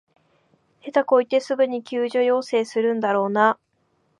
下手こいてすぐに救助要請するんだろうなあ